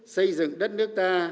xây dựng đất nước ta